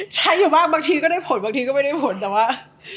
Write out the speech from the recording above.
ใช้อยู่บ้างบางทีก็ได้ผลบางทีก็ไม่ได้ผลแต่ว่า